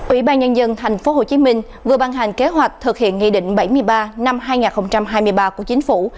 ủy ban nhân dân tp hcm vừa băng hành kế hoạch thực hiện nghị định bảy mươi ba năm hai nghìn hai mươi ba của chính phủ